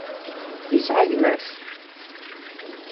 Yesεa gma-s?